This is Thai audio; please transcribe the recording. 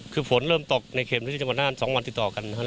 คือฝนเริ่มตกในเขตพื้นที่จังหวัดน่าน๒วันติดต่อกันนะครับ